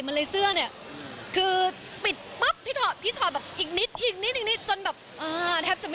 เมลัยเสื้อเนี่ยคือปิดพี่พี่แบบอีกนิดอีกนิดจนแบบแทบจะไม่